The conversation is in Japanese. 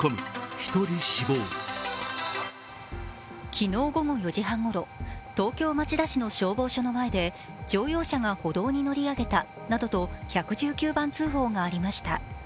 昨日午後４時半ごろ東京・町田市の消防署の前で乗用車が歩道に乗り上げたなどと１１９番通報がありました。